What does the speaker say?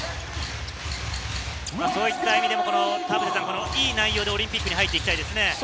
そういった意味でも、いい内容でオリンピックに入っていきたいですよね。